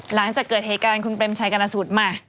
หลังจากเกิดเหตุการณ์คุณเปรมชัยกรณสูตรมา